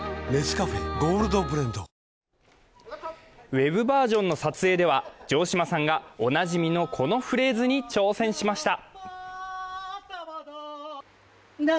ウェブバージョンの撮影では城島さんがおなじみの、このフレーズに挑戦しました。